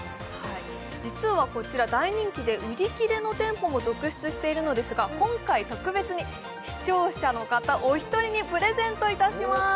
実はこちら大人気で売り切れの店舗も続出しているのですが今回特別に視聴者の方お一人にプレゼントいたします！